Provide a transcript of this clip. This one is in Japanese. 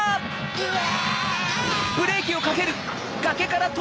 うわ！